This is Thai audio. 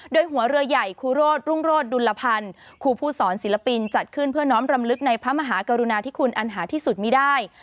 โดยหัวเรือใหญ่ครูโรธรุ่งโรศดุลพันธ์ครูผู้สอนศิลปินจัดขึ้นเพื่อน้องรำลึกในพระมหากรุณาที่คุณอันหาที่สุดมีได้